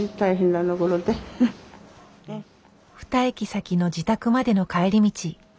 ２駅先の自宅までの帰り道。